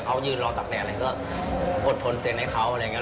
เขายืนรอตักแดดอะไรก็อดทนเซ็นให้เขาอะไรอย่างนี้